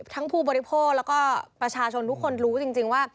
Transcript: ผู้บริโภคแล้วก็ประชาชนทุกคนรู้จริงว่า